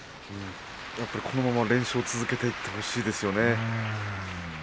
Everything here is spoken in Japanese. このまま連勝を続けていってほしいですね。